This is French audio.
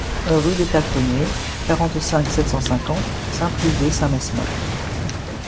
Rue des Tacreniers, quarante-cinq, sept cent cinquante Saint-Pryvé-Saint-Mesmin